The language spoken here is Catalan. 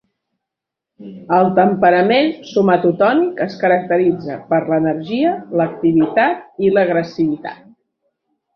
El temperament somatotònic es caracteritza per l'energia, l'activitat i l'agressivitat.